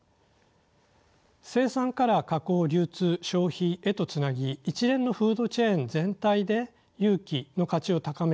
生産から加工流通消費へとつなぎ一連のフードチェーン全体で有機の価値を高める。